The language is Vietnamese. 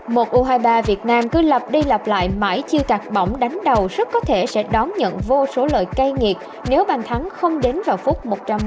một u hai mươi ba việt nam cứ lập đi lập lại mãi chưa tạt bóng đánh đầu rất có thể sẽ đón nhận vô số lợi cay nghiệt nếu bàn thắng không đến vào phút một trăm một mươi một